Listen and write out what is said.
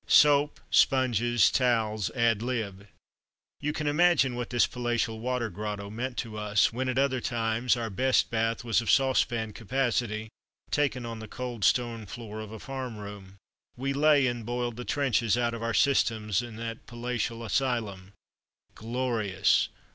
Soap, sponges, towels, ad lib. You can imagine what this palatial water grotto meant to us, when, at other times, our best bath was of saucepan capacity, taken on the cold stone floor of a farm room. We lay and boiled the trenches out of our systems in that palatial asylum. Glorious!